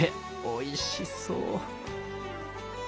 おいしそう。